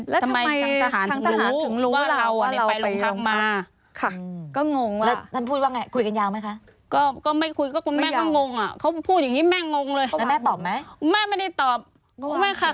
แล้วทำไมทางทหารทางทหารถึงรู้ว่าเราไปโรงพักมา